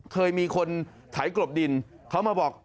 เคยมีคนไถกรบดินเขามาบอก